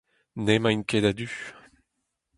N'emaint ket a-du.